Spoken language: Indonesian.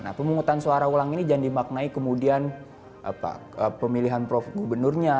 nah pemungutan suara ulang ini jangan dimaknai kemudian pemilihan prof gubernurnya